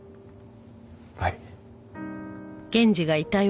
はい。